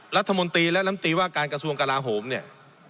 รัฐมนตรีและรัฐมนตรีว่าการกระทรวงกราฮมเนี่ย